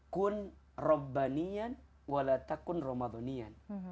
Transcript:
kun robbanian walatakun ramadanian